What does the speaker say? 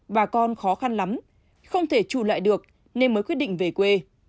bà con khó khăn lắm không thể trù lại được nên mới quyết định về quê